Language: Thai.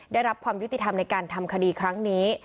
ได้รับความยุติธรรมในการทำคดีครั้งนี้